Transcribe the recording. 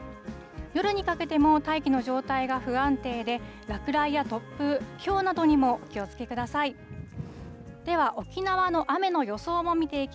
夜にかけても大気の状態が不安定で、落雷や突風、ひょうなどにもお気をつけください。